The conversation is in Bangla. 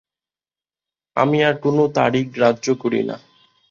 আমি আর কোন তারিখ গ্রাহ্য করি না।